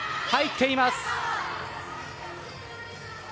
入っています。